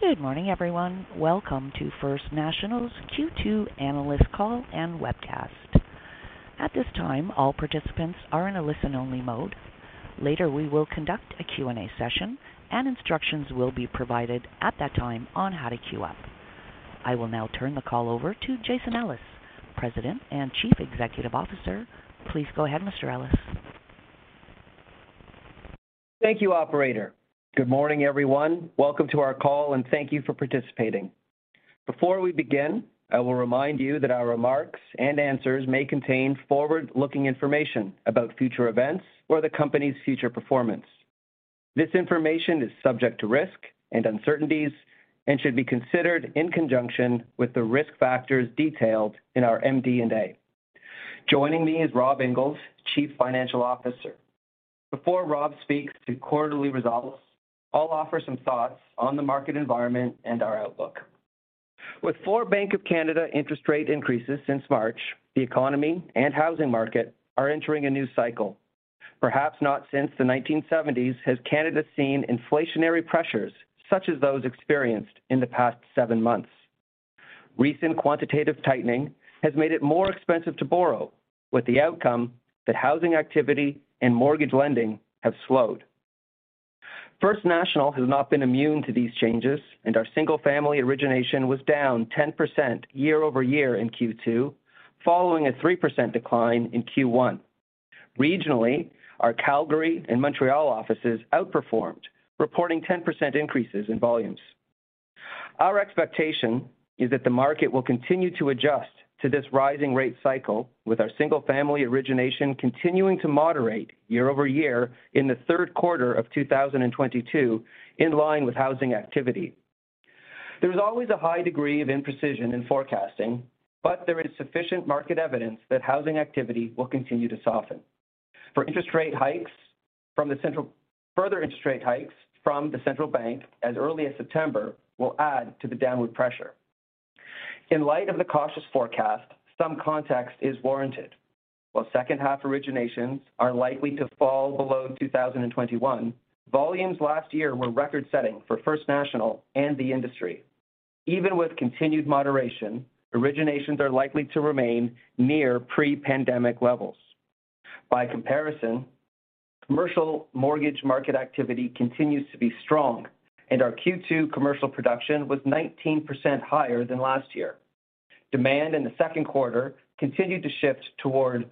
Good morning, everyone. Welcome to First National's Q2 analyst call and webcast. At this time, all participants are in a listen-only mode. Later, we will conduct a Q&A session, and instructions will be provided at that time on how to queue up. I will now turn the call over to Jason Ellis, President and Chief Executive Officer. Please go ahead, Mr. Ellis. Thank you, operator. Good morning, everyone. Welcome to our call, and thank you for participating. Before we begin, I will remind you that our remarks and answers may contain forward-looking information about future events or the company's future performance. This information is subject to risk and uncertainties and should be considered in conjunction with the risk factors detailed in our MD&A. Joining me is Rob Inglis, Chief Financial Officer. Before Rob speaks to quarterly results, I'll offer some thoughts on the market environment and our outlook. With four Bank of Canada interest rate increases since March, the economy and housing market are entering a new cycle. Perhaps not since the 1970s has Canada seen inflationary pressures such as those experienced in the past seven months. Recent quantitative tightening has made it more expensive to borrow, with the outcome that housing activity and mortgage lending have slowed. First National has not been immune to these changes, and our single-family origination was down 10% year-over-year in Q2, following a 3% decline in Q1. Regionally, our Calgary and Montreal offices outperformed, reporting 10% increases in volumes. Our expectation is that the market will continue to adjust to this rising rate cycle, with our single-family origination continuing to moderate year-over-year in the Q3 of 2022, in line with housing activity. There is always a high degree of imprecision in forecasting, but there is sufficient market evidence that housing activity will continue to soften. Further interest rate hikes from the Bank of Canada as early as September will add to the downward pressure. In light of the cautious forecast, some context is warranted. While second-half originations are likely to fall below 2021, volumes last year were record-setting for First National and the industry. Even with continued moderation, originations are likely to remain near pre-pandemic levels. By comparison, commercial mortgage market activity continues to be strong, and our Q2 commercial production was 19% higher than last year. Demand in the Q2 continued to shift toward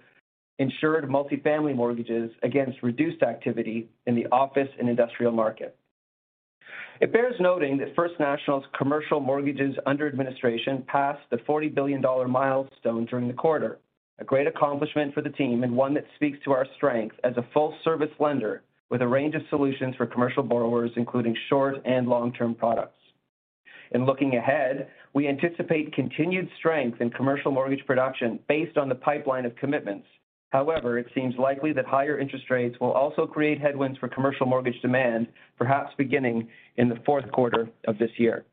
insured multifamily mortgages against reduced activity in the office and industrial market. It bears noting that First National's commercial mortgages under administration passed the 40 billion dollar milestone during the quarter. A great accomplishment for the team and one that speaks to our strength as a full-service lender with a range of solutions for commercial borrowers, including short and long-term products. In looking ahead, we anticipate continued strength in commercial mortgage production based on the pipeline of commitments. However, it seems likely that higher interest rates will also create headwinds for commercial mortgage demand, perhaps beginning in the Q4 of this year.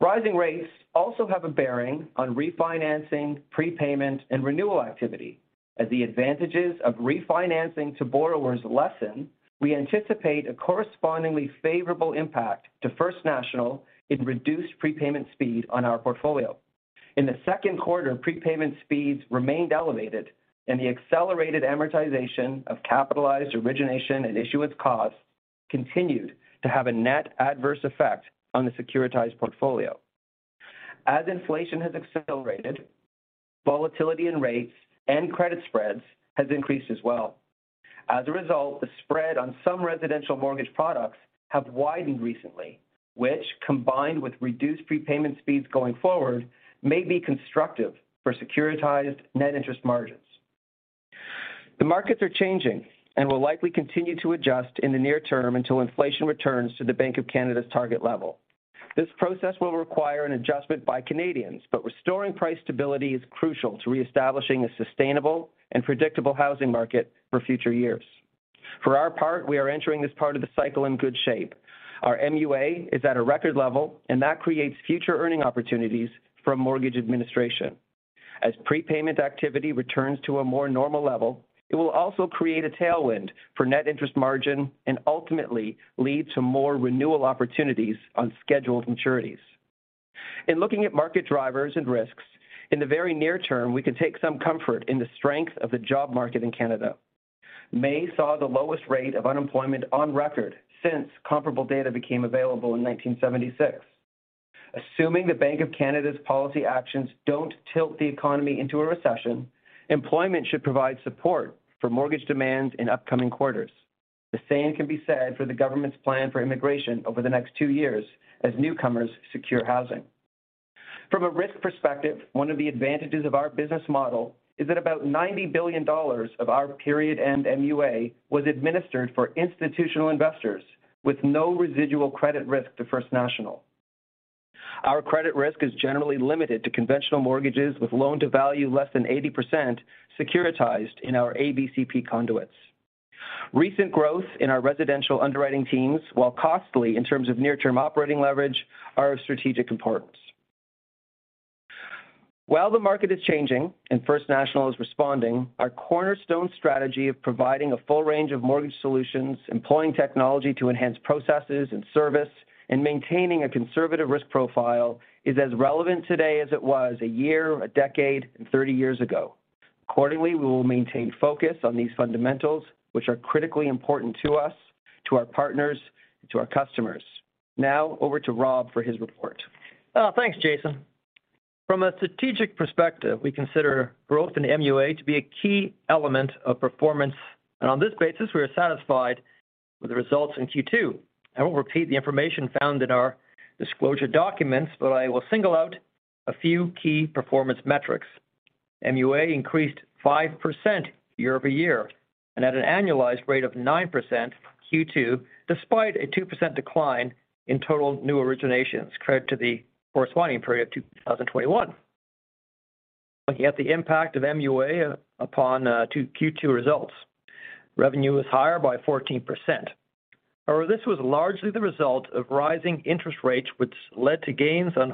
Rising rates also have a bearing on refinancing, prepayment, and renewal activity. As the advantages of refinancing to borrowers lessen, we anticipate a correspondingly favorable impact to First National in reduced prepayment speed on our portfolio. In the Q2, prepayment speeds remained elevated, and the accelerated amortization of capitalized origination and issuance costs continued to have a net adverse effect on the securitized portfolio. As inflation has accelerated, volatility in rates and credit spreads has increased as well. As a result, the spread on some residential mortgage products have widened recently, which, combined with reduced prepayment speeds going forward, may be constructive for securitized net interest margins. The markets are changing and will likely continue to adjust in the near term until inflation returns to the Bank of Canada's target level. This process will require an adjustment by Canadians, but restoring price stability is crucial to reestablishing a sustainable and predictable housing market for future years. For our part, we are entering this part of the cycle in good shape. Our MUA is at a record level, and that creates future earning opportunities from mortgage administration. As prepayment activity returns to a more normal level, it will also create a tailwind for net interest margin and ultimately lead to more renewal opportunities on scheduled maturities. In looking at market drivers and risks, in the very near term, we can take some comfort in the strength of the job market in Canada. May saw the lowest rate of unemployment on record since comparable data became available in 1976. Assuming the Bank of Canada's policy actions don't tilt the economy into a recession, employment should provide support for mortgage demands in upcoming quarters. The same can be said for the government's plan for immigration over the next two years as newcomers secure housing. From a risk perspective, one of the advantages of our business model is that about 90 billion dollars of our period end MUA was administered for institutional investors with no residual credit risk to First National. Our credit risk is generally limited to conventional mortgages with loan-to-value less than 80% securitized in our ABCP conduits. Recent growth in our residential underwriting teams, while costly in terms of near-term operating leverage, are of strategic importance. While the market is changing and First National is responding, our cornerstone strategy of providing a full range of mortgage solutions, employing technology to enhance processes and service, and maintaining a conservative risk profile is as relevant today as it was a year, a decade, and thirty years ago. Accordingly, we will maintain focus on these fundamentals, which are critically important to us, to our partners, and to our customers. Now over to Rob for his report. Thanks, Jason. From a strategic perspective, we consider growth in MUA to be a key element of performance, and on this basis, we are satisfied with the results in Q2. I won't repeat the information found in our disclosure documents, but I will single out a few key performance metrics. MUA increased 5% year-over-year and at an annualized rate of 9% Q2, despite a 2% decline in total new originations compared to the corresponding period 2021. Looking at the impact of MUA upon Q2 results. Revenue was higher by 14%. However, this was largely the result of rising interest rates. Excluding fair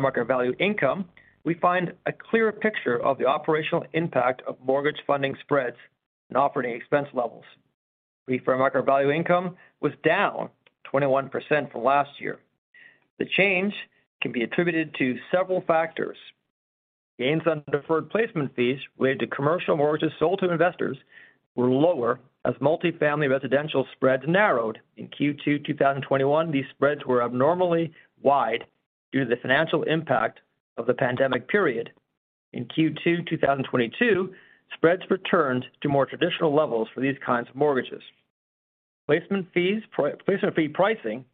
market value income, we find a clearer picture of the operational impact of mortgage funding spreads and operating expense levels. Pre fair market value income was down 21% from last year. The change can be attributed to several factors. Gains on deferred placement fees related to commercial mortgages sold to investors were lower as multi-family residential spreads narrowed. In Q2 2021, these spreads were abnormally wide due to the financial impact of the pandemic period. In Q2 2022, spreads returned to more traditional levels for these kinds of mortgages. Placement fees, placement fee pricing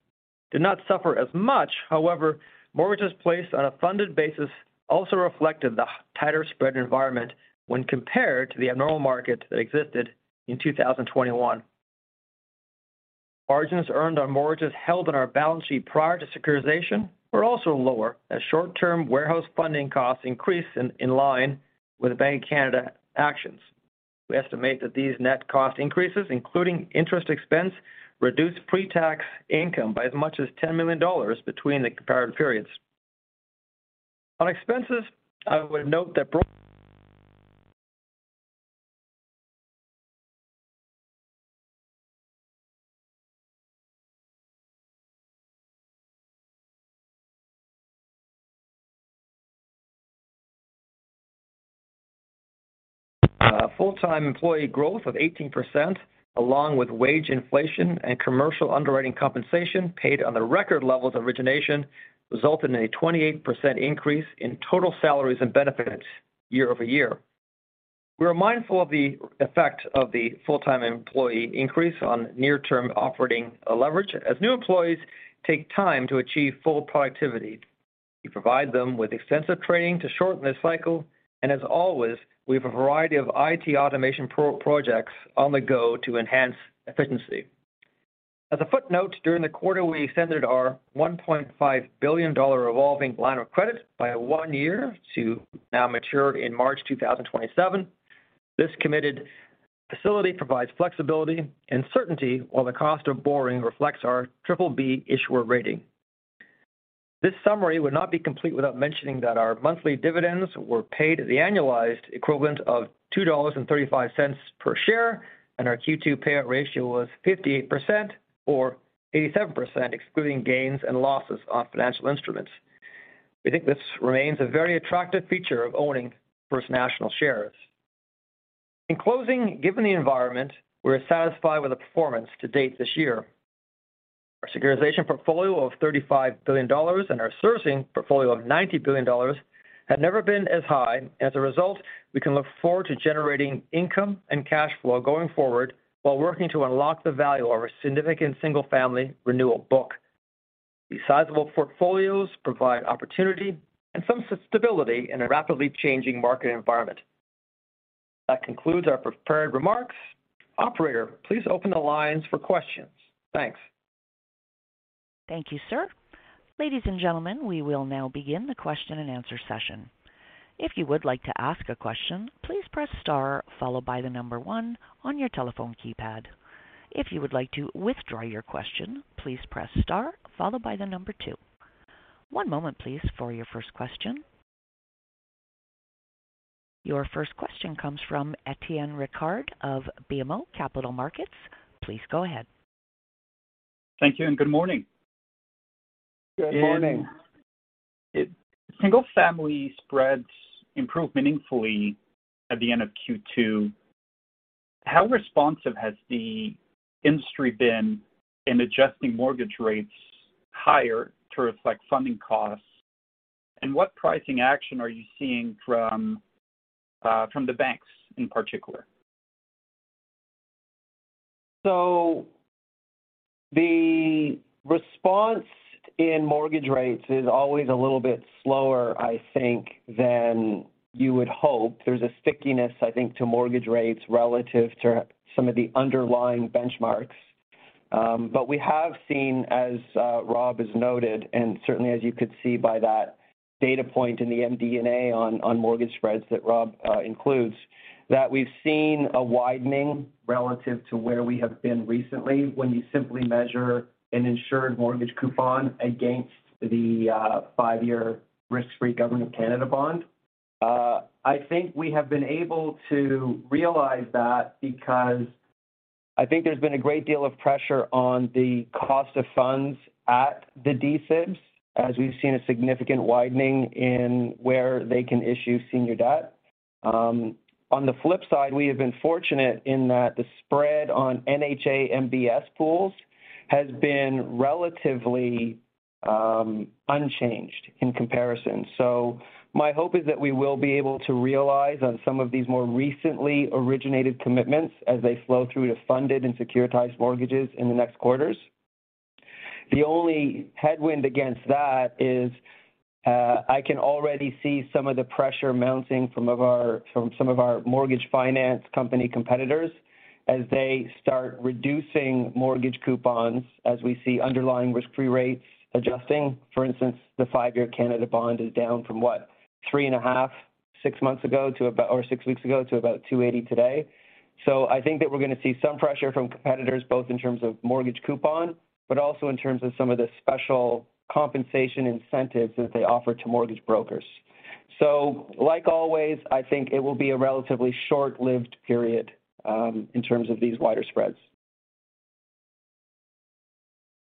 did not suffer as much. However, mortgages placed on a funded basis also reflected the tighter spread environment when compared to the abnormal market that existed in 2021. Margins earned on mortgages held on our balance sheet prior to securitization were also lower as short-term warehouse funding costs increased in line with the Bank of Canada actions. We estimate that these net cost increases, including interest expense, reduced pre-tax income by as much as 10 million dollars between the comparative periods. On expenses, I would note that full-time employee growth of 18%, along with wage inflation and commercial underwriting compensation paid on the record levels of origination, resulted in a 28% increase in total salaries and benefits year-over-year. We are mindful of the effect of the full-time employee increase on near-term operating leverage as new employees take time to achieve full productivity. We provide them with extensive training to shorten this cycle. As always, we have a variety of IT automation projects on the go to enhance efficiency. As a footnote, during the quarter, we extended our 1.5 billion dollar revolving line of credit by one year to now mature in March 2027. This committed facility provides flexibility and certainty, while the cost of borrowing reflects our BBB issuer rating. This summary would not be complete without mentioning that our monthly dividends were paid at the annualized equivalent of 2.35 dollars per share, and our Q2 payout ratio was 58% or 87%, excluding gains and losses on financial instruments. We think this remains a very attractive feature of owning First National shares. In closing, given the environment, we are satisfied with the performance to date this year. Our securitization portfolio of 35 billion dollars and our servicing portfolio of 90 billion dollars have never been as high. As a result, we can look forward to generating income and cash flow going forward while working to unlock the value of our significant single-family renewal book. These sizable portfolios provide opportunity and some stability in a rapidly changing market environment. That concludes our prepared remarks. Operator, please open the lines for questions. Thanks. Thank you, sir. Ladies and gentlemen, we will now begin the question and answer session. If you would like to ask a question, please press star followed by the number one on your telephone keypad. If you would like to withdraw your question, please press star followed by the number two. One moment please for your first question. Your first question comes from Étienne Ricard of BMO Capital Markets. Please go ahead. Thank you and good morning. Good morning. Single-family spreads improved meaningfully at the end of Q2. How responsive has the industry been in adjusting mortgage rates higher to reflect funding costs? What pricing action are you seeing from the banks in particular? The response in mortgage rates is always a little bit slower, I think, than you would hope. There's a stickiness, I think, to mortgage rates relative to some of the underlying benchmarks. We have seen as Rob has noted, and certainly as you could see by that data point in the MD&A on mortgage spreads that Rob includes, that we've seen a widening relative to where we have been recently when you simply measure an insured mortgage coupon against the five-year risk-free Government of Canada bond. I think we have been able to realize that because I think there's been a great deal of pressure on the cost of funds at the D-SIBs, as we've seen a significant widening in where they can issue senior debt. On the flip side, we have been fortunate in that the spread on NHA MBS pools has been relatively unchanged in comparison. My hope is that we will be able to realize on some of these more recently originated commitments as they flow through to funded and securitized mortgages in the next quarters. The only headwind against that is, I can already see some of the pressure mounting from some of our mortgage finance company competitors as they start reducing mortgage coupons as we see underlying risk-free rates adjusting. For instance, the five-year Canada bond is down from what, 3.5%, six months ago to about or six weeks ago to about 2.80% today. I think that we're gonna see some pressure from competitors, both in terms of mortgage coupon, but also in terms of some of the special compensation incentives that they offer to mortgage brokers. Like always, I think it will be a relatively short-lived period in terms of these wider spreads.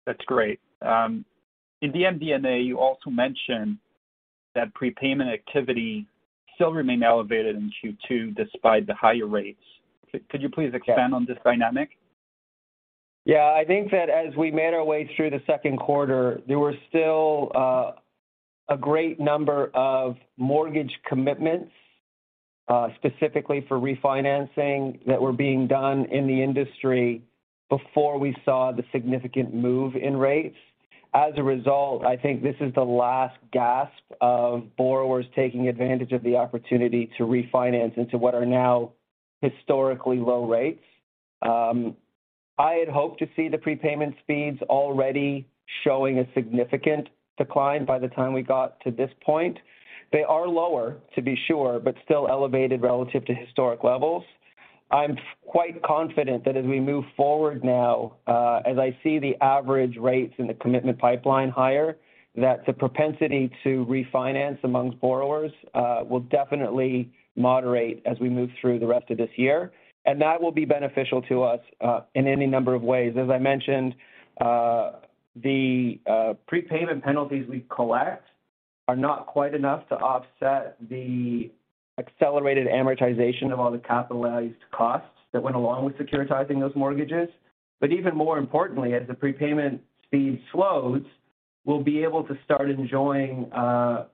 That's great. In the MD&A, you also mentioned that prepayment activity still remained elevated in Q2 despite the higher rates. Could you please expand on this dynamic? Yeah. I think that as we made our way through the Q2, there were still a great number of mortgage commitments, specifically for refinancing that were being done in the industry before we saw the significant move in rates. As a result, I think this is the last gasp of borrowers taking advantage of the opportunity to refinance into what are now historically low rates. I had hoped to see the prepayment speeds already showing a significant decline by the time we got to this point. They are lower, to be sure, but still elevated relative to historic levels. I'm quite confident that as we move forward now, as I see the average rates in the commitment pipeline higher, that the propensity to refinance amongst borrowers will definitely moderate as we move through the rest of this year. That will be beneficial to us in any number of ways. As I mentioned, the prepayment penalties we collect are not quite enough to offset the accelerated amortization of all the capitalized costs that went along with securitizing those mortgages. Even more importantly, as the prepayment speed slows, we'll be able to start enjoying a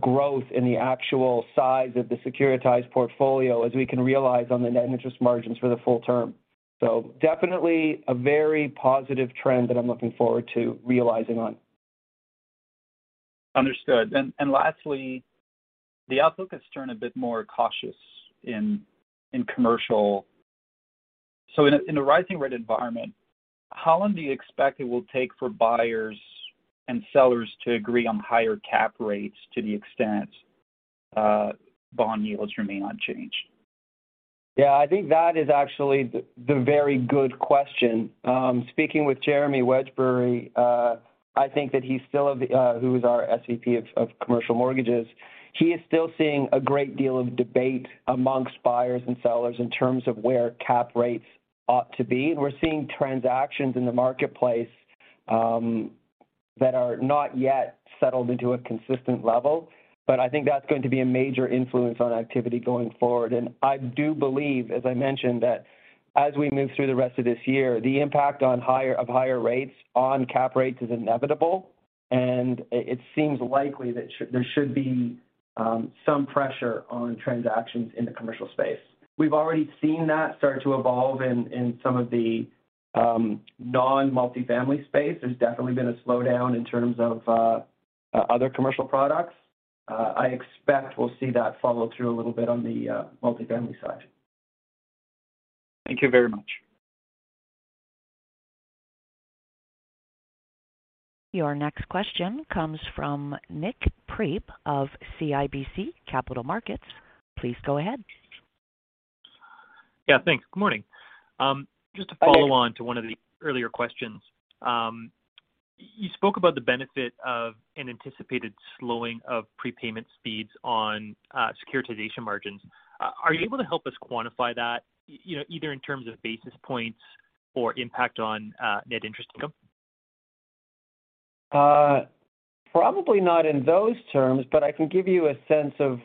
growth in the actual size of the securitized portfolio as we can realize on the net interest margins for the full term. Definitely a very positive trend that I'm looking forward to realizing on. Understood. Lastly, the outlook has turned a bit more cautious in commercial. In a rising rate environment, how long do you expect it will take for buyers and sellers to agree on higher cap rates to the extent bond yields remain unchanged? Yeah, I think that is actually the very good question. Speaking with Jeremy Wedgbury, I think that he's still of the who is our SVP of Commercial Mortgages. He is still seeing a great deal of debate among buyers and sellers in terms of where cap rates ought to be. We're seeing transactions in the marketplace that are not yet settled into a consistent level, but I think that's going to be a major influence on activity going forward. I do believe, as I mentioned, that as we move through the rest of this year, the impact of higher rates on cap rates is inevitable, and it seems likely that there should be some pressure on transactions in the commercial space. We've already seen that start to evolve in some of the non-multifamily space. There's definitely been a slowdown in terms of other commercial products. I expect we'll see that follow through a little bit on the multifamily side. Thank you very much. Your next question comes from Nik Priebe of CIBC Capital Markets. Please go ahead. Yeah, thanks. Good morning. Just to follow on to one of the earlier questions. You spoke about the benefit of an anticipated slowing of prepayment speeds on securitization margins. Are you able to help us quantify that, you know, either in terms of basis points or impact on net interest income? Probably not in those terms, but I can give you a sense of,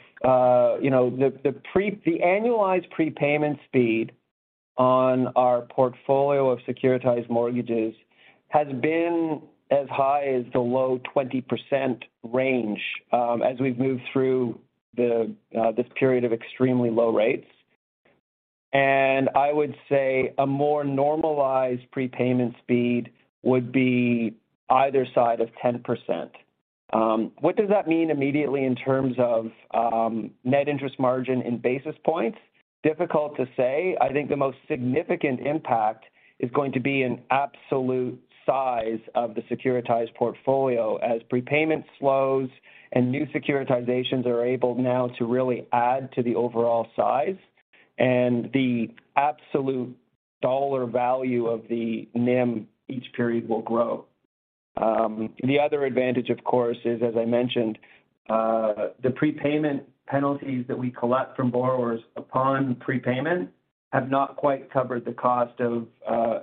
you know, the annualized prepayment speed on our portfolio of securitized mortgages has been as high as the low 20% range, as we've moved through this period of extremely low rates. I would say a more normalized prepayment speed would be either side of 10%. What does that mean immediately in terms of net interest margin and basis points? Difficult to say. I think the most significant impact is going to be in absolute size of the securitized portfolio as prepayment slows and new securitizations are able now to really add to the overall size. The absolute dollar value of the NIM each period will grow. The other advantage, of course, is, as I mentioned, the prepayment penalties that we collect from borrowers upon prepayment have not quite covered the cost of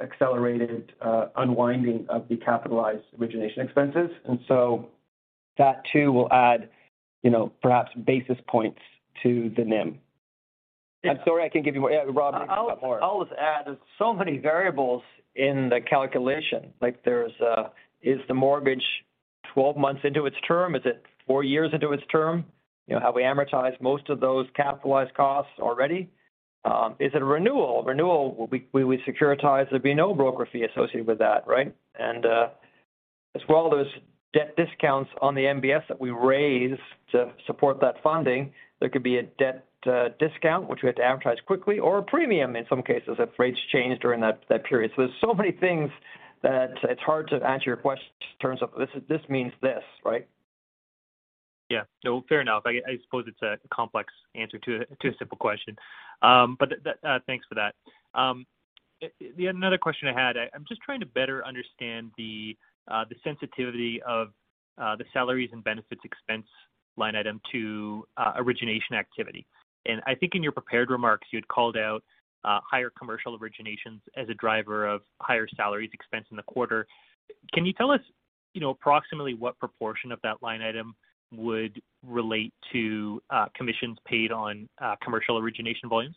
accelerated unwinding of the capitalized origination expenses. That too will add, you know, perhaps basis points to the NIM. I'm sorry, I can't give you more. Yeah. Rob, you can talk more. I'll just add, there's so many variables in the calculation. Like, there's, is the mortgage 12 months into its term? Is it four years into its term? You know, have we amortized most of those capitalized costs already? Is it a renewal? Renewal we securitize, there'd be no broker fee associated with that, right? As well, there's debt discounts on the MBS that we raise to support that funding. There could be a debt discount, which we have to amortize quickly, or a premium in some cases if rates change during that period. So there's so many things that it's hard to answer your question in terms of this means this, right? Yeah. No, fair enough. I suppose it's a complex answer to a simple question. But thanks for that. Another question I had, I'm just trying to better understand the sensitivity of the salaries and benefits expense line item to origination activity. I think in your prepared remarks you had called out higher commercial originations as a driver of higher salaries expense in the quarter. Can you tell us, you know, approximately what proportion of that line item would relate to commissions paid on commercial origination volumes?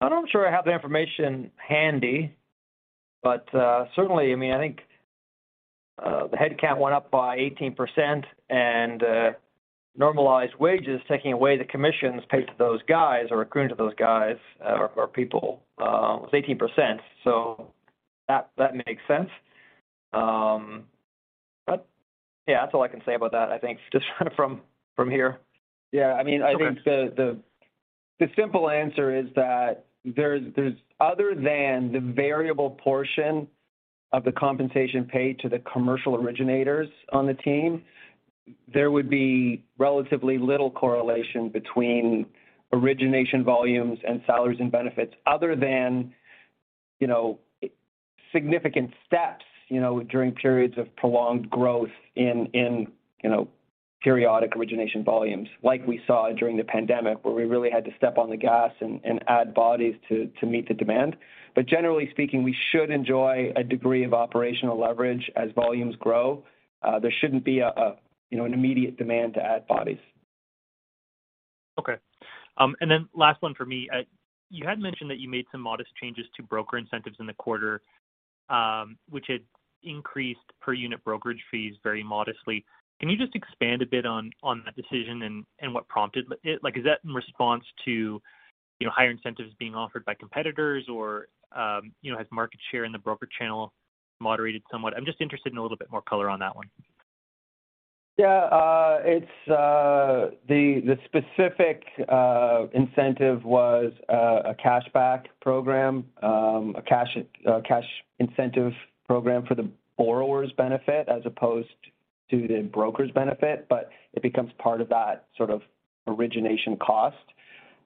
I'm not sure I have the information handy, but certainly, I mean, I think the headcount went up by 18% and normalized wages, taking away the commissions paid to those guys or accruing to those guys or people, was 18%. That makes sense. But yeah, that's all I can say about that, I think, just from here. Yeah. I mean. Okay. I think the simple answer is that there's other than the variable portion of the compensation paid to the commercial originators on the team, there would be relatively little correlation between origination volumes and salaries and benefits other than, you know, significant steps, you know, during periods of prolonged growth in you know, periodic origination volumes, like we saw during the pandemic, where we really had to step on the gas and add bodies to meet the demand. Generally speaking, we should enjoy a degree of operational leverage as volumes grow. There shouldn't be a you know, an immediate demand to add bodies. Okay. Last one for me. You had mentioned that you made some modest changes to broker incentives in the quarter, which had increased per unit brokerage fees very modestly. Can you just expand a bit on that decision and what prompted it? Like, is that in response to higher incentives being offered by competitors or you know, has market share in the broker channel moderated somewhat? I'm just interested in a little bit more color on that one. Yeah. It's the specific incentive was a cashback program. A cash incentive program for the borrower's benefit as opposed to the broker's benefit, but it becomes part of that sort of origination cost.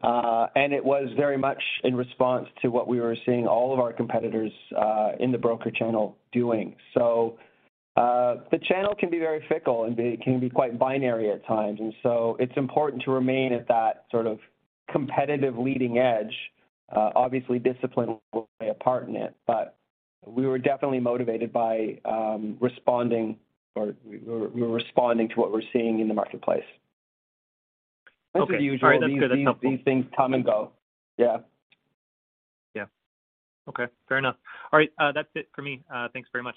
It was very much in response to what we were seeing all of our competitors in the broker channel doing. The channel can be very fickle and it can be quite binary at times, and so it's important to remain at that sort of competitive leading edge. Obviously discipline will play a part in it, but we were definitely motivated by responding or we're responding to what we're seeing in the marketplace. Okay. As per usual. All right. That's good. That's helpful. These things come and go. Yeah. Yeah. Okay. Fair enough. All right, that's it for me. Thanks very much.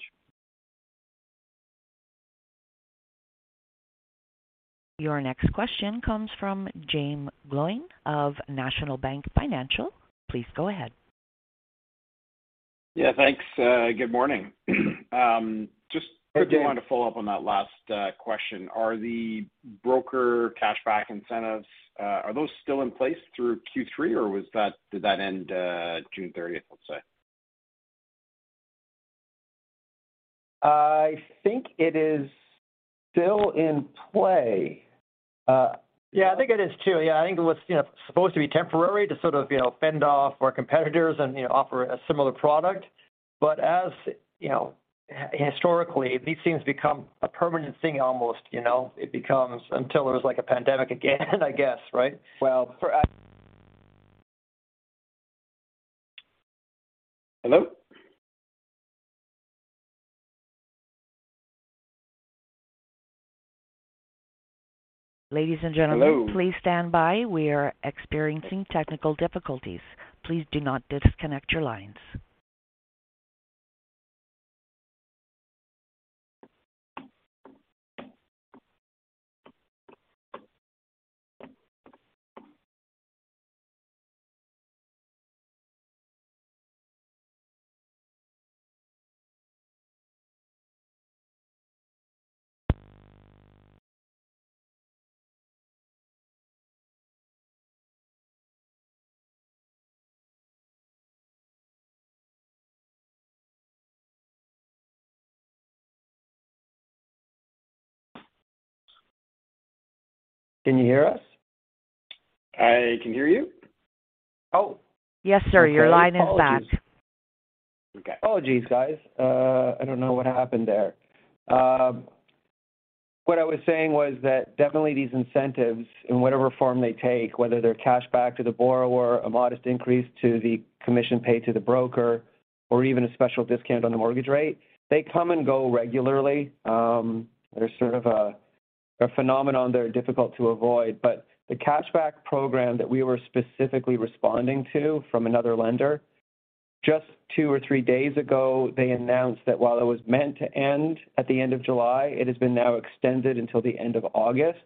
Your next question comes from Jaeme Gloyn of National Bank Financial. Please go ahead. Yeah, thanks. Good morning. Hi, Jaeme. Quickly wanted to follow up on that last question. Are the broker cashback incentives still in place through Q3, or did that end June thirtieth, let's say? I think it is still in play. Yeah, I think it is too. Yeah. I think it was, you know, supposed to be temporary to sort of, you know, fend off our competitors and, you know, offer a similar product. As, you know, historically, these things become a permanent thing almost, you know. It becomes until there's like a pandemic again, I guess, right? Well. Hello? Ladies and gentlemen. Hello. Please stand by. We are experiencing technical difficulties. Please do not disconnect your lines. Can you hear us? I can hear you. Oh. Yes, sir. Your line is back. Okay. Apologies. Okay. Apologies, guys. I don't know what happened there. What I was saying was that definitely these incentives in whatever form they take, whether they're cashback to the borrower, a modest increase to the commission paid to the broker, or even a special discount on the mortgage rate, they come and go regularly. They're sort of a phenomenon that are difficult to avoid. The cashback program that we were specifically responding to from another lender, just two or three days ago, they announced that while it was meant to end at the end of July, it has been now extended until the end of August.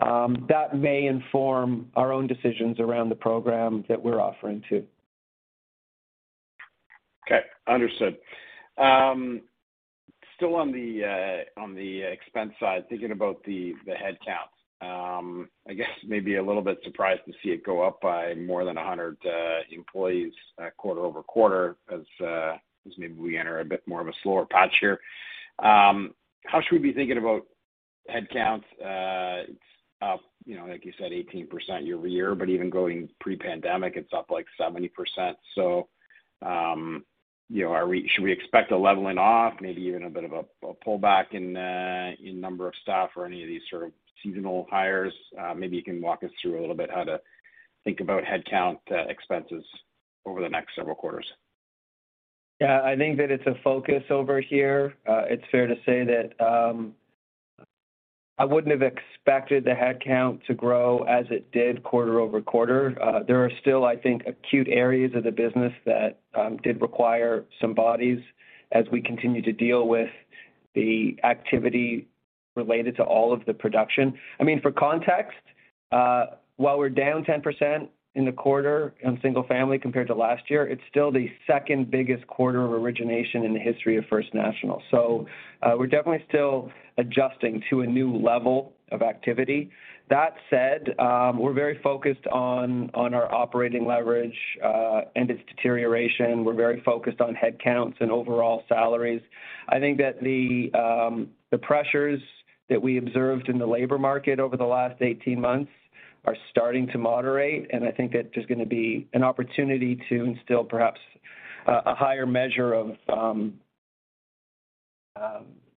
That may inform our own decisions around the program that we're offering too. Okay. Understood. Still on the expense side, thinking about the headcount. I guess maybe a little bit surprised to see it go up by more than 100 employees quarter-over-quarter as maybe we enter a bit more of a slower patch here. How should we be thinking about headcounts up, you know, like you said, 18% year-over-year, but even going pre-pandemic, it's up like 70%. You know, should we expect a leveling off, maybe even a bit of a pullback in number of staff or any of these sort of seasonal hires? Maybe you can walk us through a little bit how to think about headcount expenses over the next several quarters. Yeah, I think that it's a focus over here. It's fair to say that I wouldn't have expected the headcount to grow as it did quarter-over-quarter. There are still, I think, acute areas of the business that did require some bodies as we continue to deal with the activity related to all of the production. I mean, for context, while we're down 10% in the single-family compared to last year, it's still the second biggest quarter of origination in the history of First National. We're definitely still adjusting to a new level of activity. That said, we're very focused on our operating leverage and its deterioration. We're very focused on headcounts and overall salaries. I think that the pressures that we observed in the labor market over the last 18 months are starting to moderate, and I think that there's gonna be an opportunity to instill perhaps a higher measure of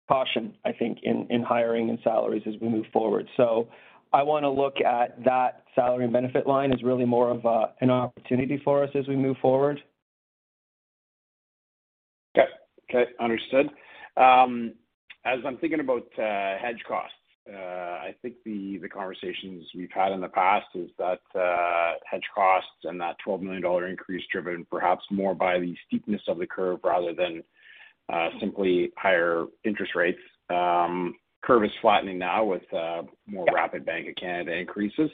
caution, I think, in hiring and salaries as we move forward. I wanna look at that salary and benefit line as really more of an opportunity for us as we move forward. Okay. Understood. As I'm thinking about hedge costs, I think the conversations we've had in the past is that hedge costs and that 12 million dollar increase driven perhaps more by the steepness of the curve rather than simply higher interest rates. Curve is flattening now with more rapid Bank of Canada increases.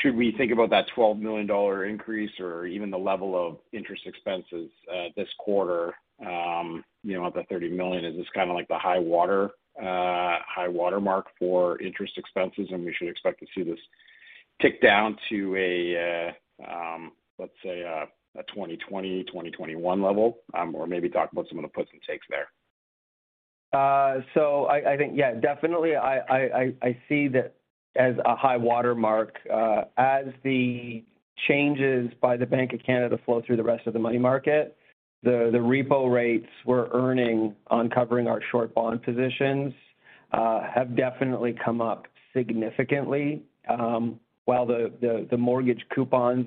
Should we think about that 12 million dollar increase or even the level of interest expenses this quarter, you know, at the 30 million? Is this kinda like the high water high watermark for interest expenses and we should expect to see this tick down to a, let's say a 2020, 2021 level? Or maybe talk about some of the puts and takes there. I think, yeah, definitely, I see that as a high watermark. As the changes by the Bank of Canada flow through the rest of the money market, the repo rates we're earning on covering our short bond positions have definitely come up significantly, while the mortgage coupons,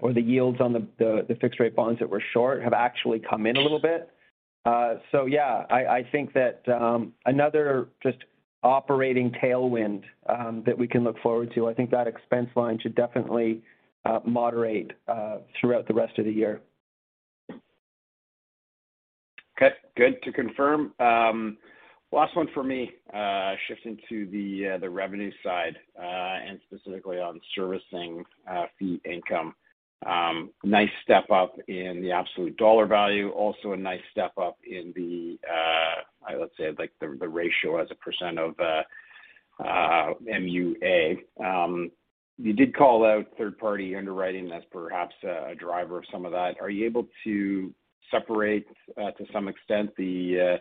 or the yields on the fixed rate bonds that we're short have actually come in a little bit. Yeah, I think that another just operating tailwind that we can look forward to. I think that expense line should definitely moderate throughout the rest of the year. Okay. Good to confirm. Last one for me, shifting to the revenue side, and specifically on servicing fee income. Nice step up in the absolute dollar value, also a nice step up in the, let's say like the ratio as a percent of MUA. You did call out third-party underwriting as perhaps a driver of some of that. Are you able to separate, to some extent the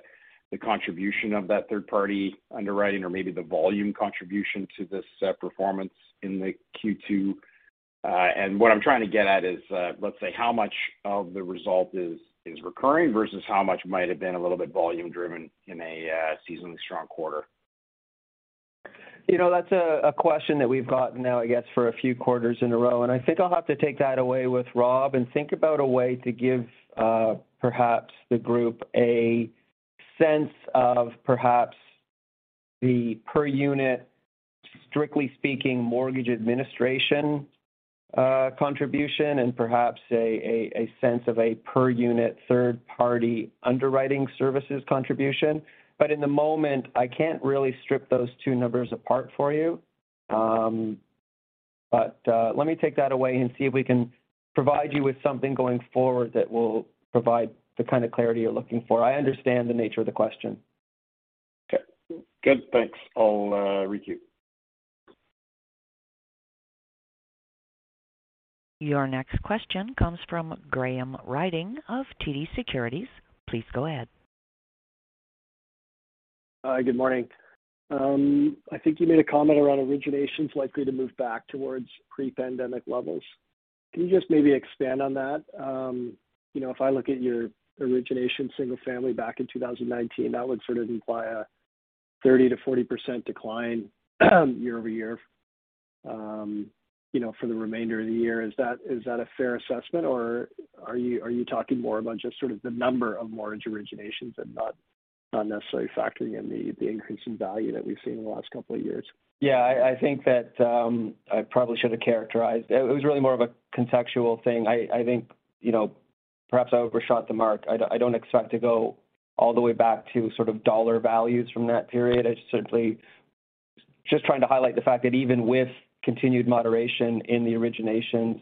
contribution of that third-party underwriting or maybe the volume contribution to this performance in the Q2? What I'm trying to get at is, let's say how much of the result is recurring versus how much might have been a little bit volume driven in a seasonally strong quarter? You know, that's a question that we've gotten now, I guess, for a few quarters in a row, and I think I'll have to take that away with Rob and think about a way to give perhaps the group a sense of perhaps the per unit, strictly speaking, mortgage administration contribution and perhaps a sense of a per unit third-party underwriting services contribution. In the moment, I can't really strip those two numbers apart for you. Let me take that away and see if we can provide you with something going forward that will provide the kind of clarity you're looking for. I understand the nature of the question. Okay. Good. Thanks. I'll re-queue. Your next question comes from Graham Ryding of TD Securities. Please go ahead. Hi. Good morning. I think you made a comment around originations likely to move back towards pre-pandemic levels. Can you just maybe expand on that? You know, if I look at your origination single-family back in 2019, that would sort of imply a 30%-40% decline year-over-year, you know, for the remainder of the year. Is that a fair assessment, or are you talking more about just sort of the number of mortgage originations and not necessarily factoring in the increase in value that we've seen in the last couple of years? Yeah, I think that I probably should have characterized. It was really more of a contextual thing. I think, you know, perhaps I overshot the mark. I don't expect to go all the way back to sort of dollar values from that period. I just certainly just trying to highlight the fact that even with continued moderation in the originations,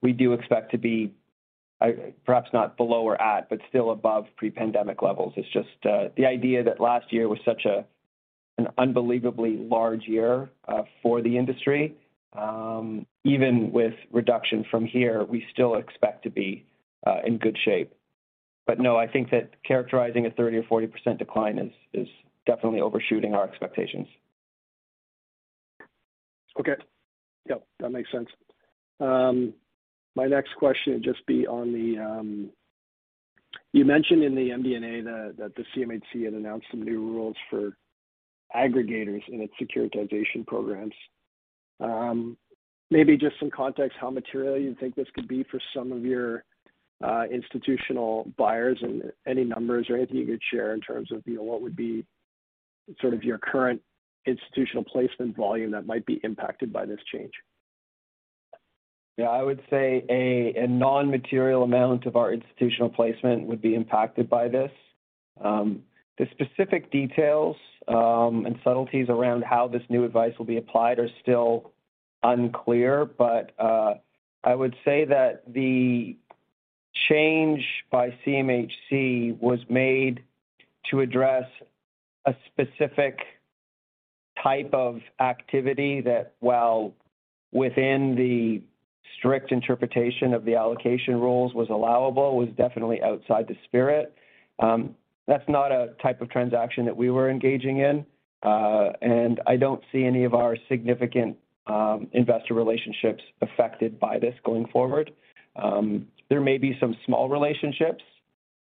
we do expect to be perhaps not below or at, but still above pre-pandemic levels. It's just the idea that last year was such an unbelievably large year for the industry. Even with reduction from here, we still expect to be in good shape. No, I think that characterizing a 30% or 40% decline is definitely overshooting our expectations. Okay. Yep, that makes sense. My next question would just be on the one you mentioned in the MD&A that the CMHC had announced some new rules for aggregators in its securitization programs. Maybe just some context how material you think this could be for some of your institutional buyers and any numbers or anything you could share in terms of, you know, what would be sort of your current institutional placement volume that might be impacted by this change. Yeah, I would say a non-material amount of our institutional placement would be impacted by this. The specific details and subtleties around how this new advice will be applied are still unclear, but I would say that the change by CMHC was made to address a specific type of activity that while within the strict interpretation of the allocation rules was allowable, was definitely outside the spirit. That's not a type of transaction that we were engaging in, and I don't see any of our significant investor relationships affected by this going forward. There may be some small relationships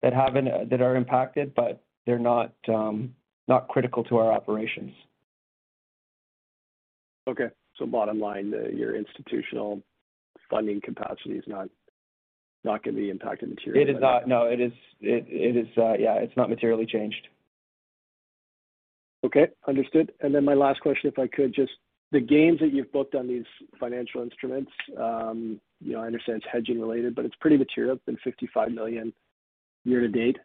that are impacted, but they're not critical to our operations. Okay. Bottom line, your institutional funding capacity is not going to be impacted materially. It is not. No, it is, yeah, it's not materially changed. Okay. Understood. My last question, if I could just the gains that you've booked on these financial instruments, you know, I understand it's hedging related, but it's pretty material, been 55 million year to date.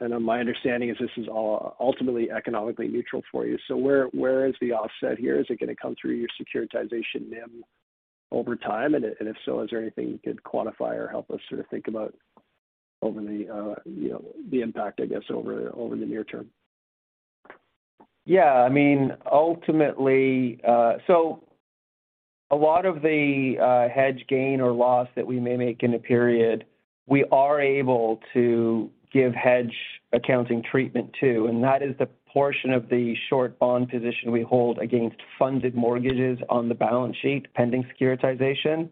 My understanding is this is all ultimately economically neutral for you. Where is the offset here? Is it gonna come through your securitization NIM over time? If so, is there anything you could quantify or help us sort of think about over the, you know, the impact, I guess, over the near term? I mean, ultimately, a lot of the hedge gain or loss that we may make in a period, we are able to give hedge accounting treatment to, and that is the portion of the short bond position we hold against funded mortgages on the balance sheet, pending securitization.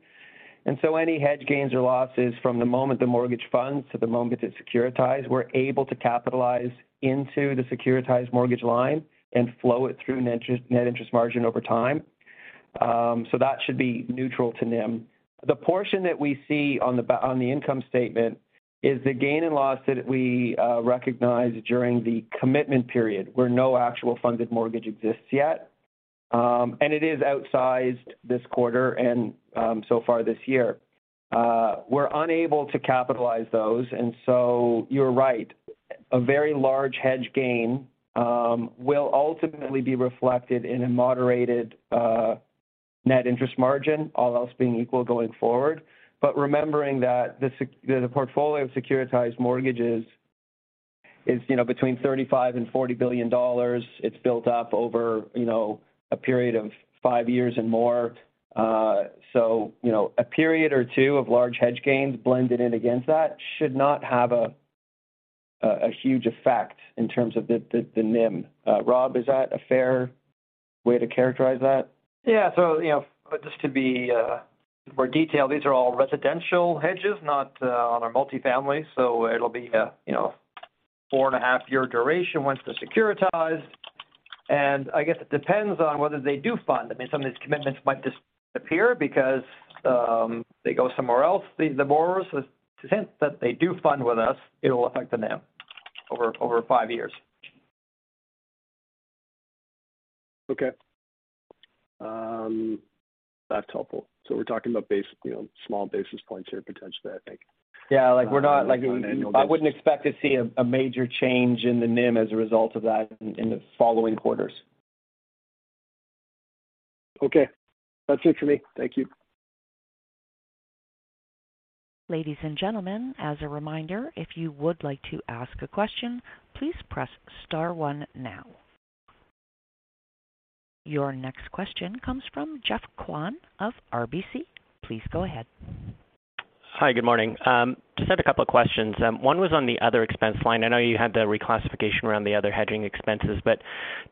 Any hedge gains or losses from the moment the mortgage funds to the moment it's securitized, we're able to capitalize into the securitized mortgage line and flow it through net interest margin over time. That should be neutral to NIM. The portion that we see on the income statement is the gain and loss that we recognize during the commitment period, where no actual funded mortgage exists yet. It is outsized this quarter and so far this year. We're unable to capitalize those, and so you're right. A very large hedge gain will ultimately be reflected in a moderated net interest margin, all else being equal going forward. Remembering that the portfolio of securitized mortgages is, you know, between 35 billion and 40 billion dollars, it's built up over, you know, a period of five years and more. You know, a period or two of large hedge gains blended in against that should not have a huge effect in terms of the NIM. Rob, is that a fair way to characterize that? Yeah. You know, just to be more detailed, these are all residential hedges, not on our multifamily. It'll be, you know. 4.5-year duration once they're securitized. I guess it depends on whether they do fund. I mean, some of these commitments might disappear because they go somewhere else. The borrowers, to the extent that they do fund with us, it will affect the NIM over five years. Okay. That's helpful. We're talking about basically, on small basis points here, potentially, I think. Yeah. Like, we're not like- On an annual basis. I wouldn't expect to see a major change in the NIM as a result of that in the following quarters. Okay. That's it for me. Thank you. Ladies and gentlemen, as a reminder, if you would like to ask a question, please press star one now. Your next question comes from Geoff Kwan of RBC. Please go ahead. Hi, good morning. Just had a couple of questions. One was on the other expense line. I know you had the reclassification around the other hedging expenses, but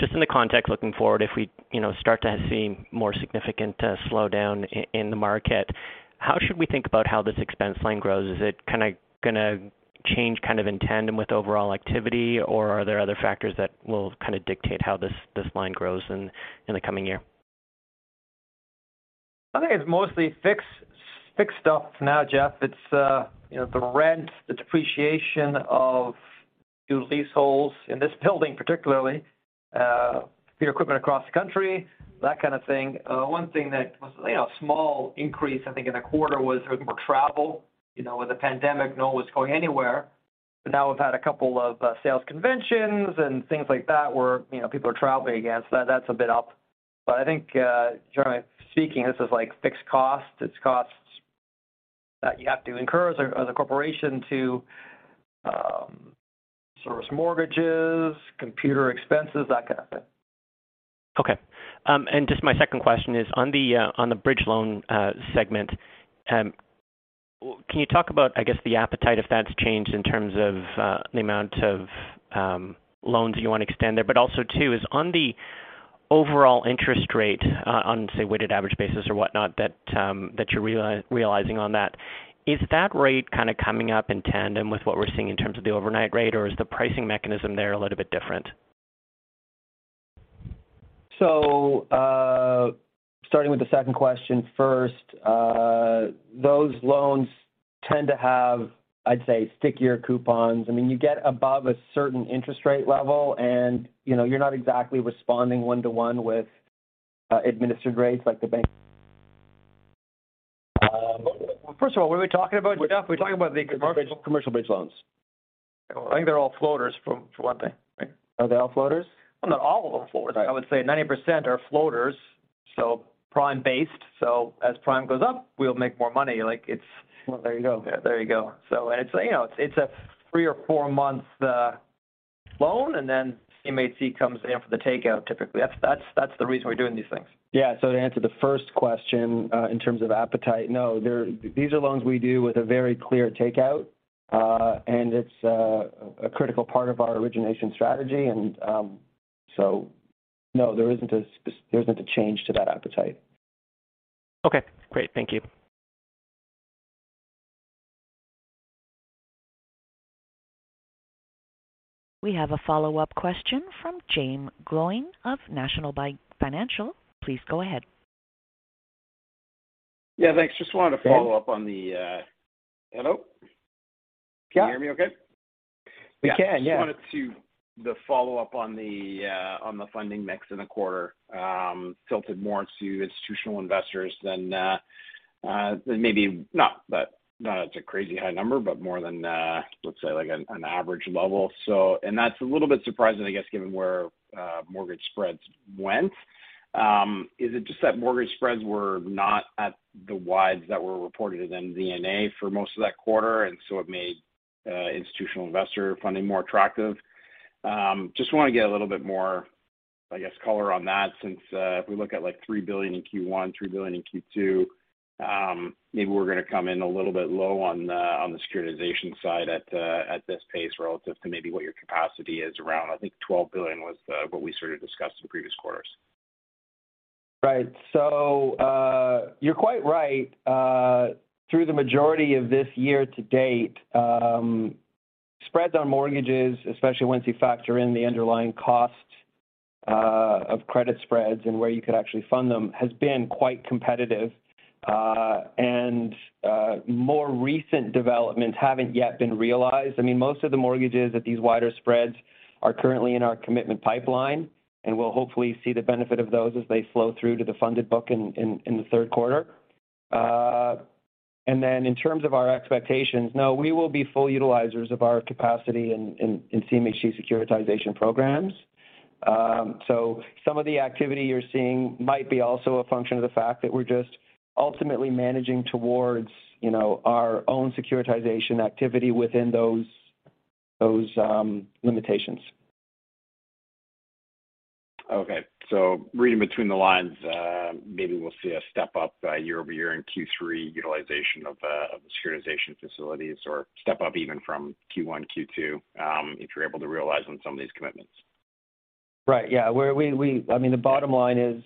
just in the context looking forward, if we, you know, start to see more significant slowdown in the market, how should we think about how this expense line grows? Is it kinda gonna change kind of in tandem with overall activity, or are there other factors that will kind of dictate how this line grows in the coming year? I think it's mostly fixed stuff now, Jeff. It's you know, the rent, the depreciation of new leaseholds in this building, particularly your equipment across the country, that kind of thing. One thing that was you know, a small increase, I think in the quarter was more travel. You know, with the pandemic, no one was going anywhere. Now we've had a couple of sales conventions and things like that where you know, people are traveling again, so that's a bit up. I think generally speaking, this is like fixed costs. It's costs that you have to incur as a corporation to source mortgages, computer expenses, that kind of thing. Okay. Just my second question is on the bridge loan segment. Can you talk about, I guess, the appetite, if that's changed in terms of the amount of loans you wanna extend there, but also too is on the overall interest rate, on, say, weighted average basis or whatnot, that you're realizing on that, is that rate kinda coming up in tandem with what we're seeing in terms of the overnight rate, or is the pricing mechanism there a little bit different? Starting with the second question first, those loans tend to have, I'd say, stickier coupons. I mean, you get above a certain interest rate level and, you know, you're not exactly responding one to one with administered rates like the bank. First of all, what are we talking about, Jeff? We're talking about the commercial- Commercial bridge loans. I think they're all floaters for one thing, right? Are they all floaters? Well, not all of them are floaters. I would say 90% are floaters, so prime-based. As prime goes up, we'll make more money. Well, there you go. There you go. It's, you know, it's a three or four month loan, and then CMHC comes in for the takeout, typically. That's the reason we're doing these things. Yeah. To answer the first question, in terms of appetite, no. These are loans we do with a very clear takeout, and it's a critical part of our origination strategy. No, there isn't a change to that appetite. Okay, great. Thank you. We have a follow-up question from Jaeme Gloyn of National Bank Financial. Please go ahead. Yeah, thanks. Just wanted to follow up on the, Hello? Yeah. Can you hear me okay? We can, yeah. Just wanted to follow up on the funding mix in the quarter, tilted more to institutional investors than maybe. Not that it's a crazy high number, but more than let's say like an average level. That's a little bit surprising, I guess, given where mortgage spreads went. Is it just that mortgage spreads were not at the wides that were reported in MD&A for most of that quarter, and so it made institutional investor funding more attractive? Just wanna get a little bit more, I guess, color on that since if we look at like 3 billion in Q1, 3 billion in Q2, maybe we're gonna come in a little bit low on the securitization side at this pace relative to maybe what your capacity is around. I think 12 billion was what we sort of discussed in previous quarters. Right. You're quite right. Through the majority of this year to date, spreads on mortgages, especially once you factor in the underlying cost of credit spreads and where you could actually fund them has been quite competitive. More recent developments haven't yet been realized. I mean, most of the mortgages at these wider spreads are currently in our commitment pipeline, and we'll hopefully see the benefit of those as they flow through to the funded book in the Q3. In terms of our expectations, no, we will be full utilizers of our capacity in CMHC securitization programs. Some of the activity you're seeing might be also a function of the fact that we're just ultimately managing towards, you know, our own securitization activity within those limitations. Okay. Reading between the lines, maybe we'll see a step up year-over-year in Q3 utilization of the securitization facilities or step up even from Q1, Q2, if you're able to realize on some of these commitments. Right. Yeah. We, I mean, the bottom line is,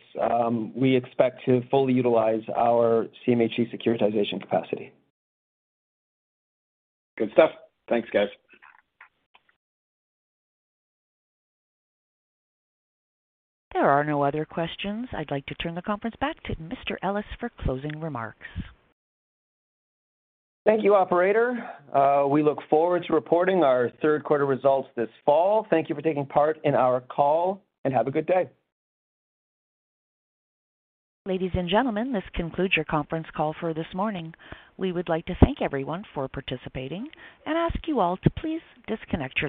we expect to fully utilize our CMHC securitization capacity. Good stuff. Thanks, guys. There are no other questions. I'd like to turn the conference back to Mr. Ellis for closing remarks. Thank you, operator. We look forward to reporting our Q3 results this fall. Thank you for taking part in our call, and have a good day. Ladies and gentlemen, this concludes your conference call for this morning. We would like to thank everyone for participating and ask you all to please disconnect your lines.